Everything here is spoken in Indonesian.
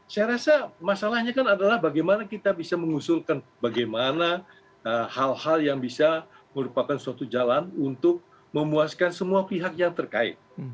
saya rasa masalahnya kan adalah bagaimana kita bisa mengusulkan bagaimana hal hal yang bisa merupakan suatu jalan untuk memuaskan semua pihak yang terkait